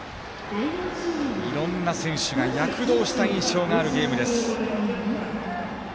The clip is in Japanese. いろんな選手が躍動した印象のあるゲームです。